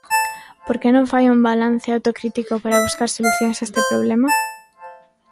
¿Por que non fai un balance autocrítico para buscar solucións a este problema?